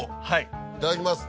いただきます。